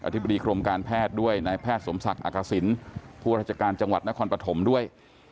ธิบดีกรมการแพทย์ด้วยนายแพทย์สมศักดิ์อักษิณผู้ราชการจังหวัดนครปฐมด้วย